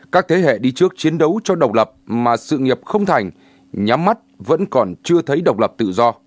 chiến đấu cho độc lập mà sự nghiệp không thành nhắm mắt vẫn còn chưa thấy độc lập tự do